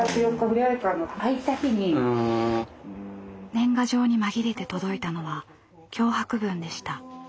年賀状に紛れて届いたのは脅迫文でした。